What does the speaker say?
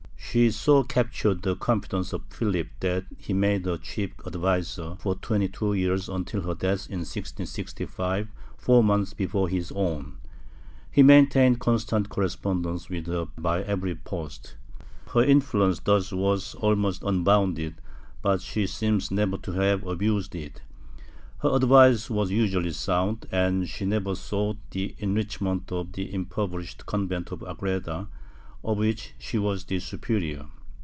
She so captured the confidence of Philip that he made her his chief adviser; for twenty two years, until her death in 1665, four months before his own, he maintained constant correspondence with her by every post. Her influence thus was almost unbounded, but she seems never to have abused it; her advice was usually sound, and she never sought the enrich ment of the impoverished convent of Agreda, of which she was the superior.